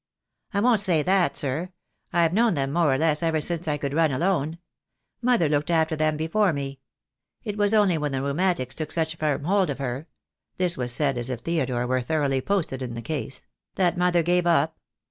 "I won't say that, sir. I've known them more or less ever since I could run alone. Mother looked after them before me. It was only when the rheumatics took such firm hold of her" — this was said as if Theodore were thoroughly posted in the case — "that mother gave up.